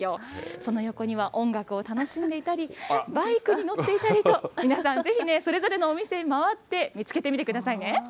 その横には音楽を楽しんでいたり、バイクに乗っていたりと、皆さんぜひね、それぞれのお店まわって見つけてみてくださいね。